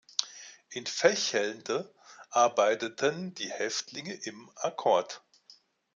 In Vechelde arbeiteten die Häftlinge im Akkord.